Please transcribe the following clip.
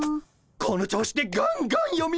この調子でガンガンよみましょう。